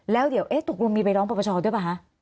แล้วเดี๋ยวเอ๊ะตกลงมีไปร้องประประชาด้วยป่ะคะ